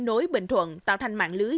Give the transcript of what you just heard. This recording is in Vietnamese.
nối bình thuận tạo thành mạng lưới